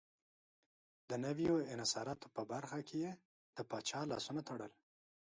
د نویو انحصاراتو په برخه کې یې د پاچا لاسونه تړل.